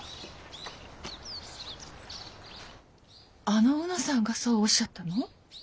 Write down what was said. あの卯之さんがそうおっしゃったの？